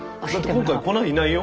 今回粉いないよ？